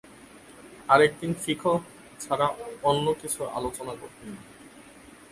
আর একদিন ফিকহ ছাড়া অন্য কিছুর আলোচনা করতেন না।